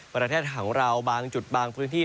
ประเทศของเราบางจุดเครื่องที่